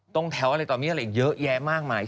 ตรงแถวอะไรต่อมีอะไรอีกเยอะแยะมากมาย